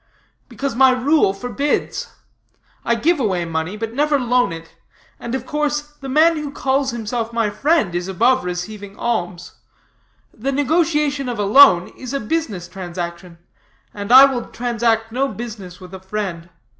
"Because my rule forbids. I give away money, but never loan it; and of course the man who calls himself my friend is above receiving alms. The negotiation of a loan is a business transaction. And I will transact no business with a friend.